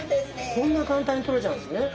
こんな簡単にとれちゃうんですね。